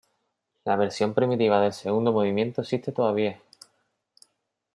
La versión primitiva del segundo movimiento existe todavía.